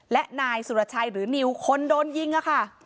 และนายสุรชัยหรือนิวคนโดนยิงค่ะ